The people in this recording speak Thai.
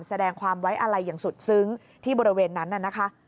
แสดงความไว้อะไรอย่างสุดซึ้งที่บริเวณนั้นน่ะนะคะ